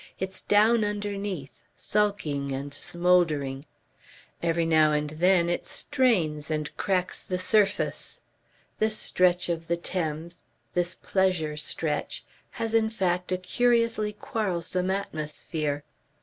"It's down underneath, sulking and smouldering. Every now and then it strains and cracks the surface. This stretch of the Thames, this pleasure stretch, has in fact a curiously quarrelsome atmosphere.